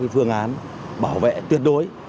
phương án bảo vệ tuyệt đối